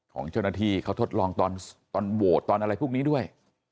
ของเจ้าหน้าที่เขาทดลองตอนโหวตตอนอะไรพวกนี้ด้วย